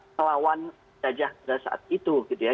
melawan gajah pada saat itu gitu ya